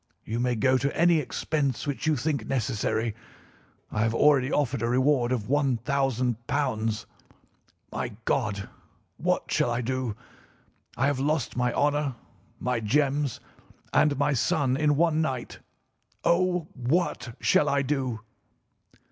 You may go to any expense which you think necessary. I have already offered a reward of £ 1000. My God, what shall I do! I have lost my honour, my gems, and my son in one night. Oh, what shall I do!"